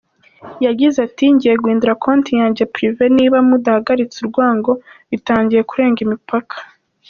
Yagize ati “Ngiye guhindura konti yanjye private niba mudahagaritse urwango, bitangiye kurenga imipaka.